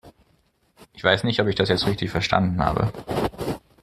Ich weiß nicht, ob ich das jetzt richtig verstanden habe.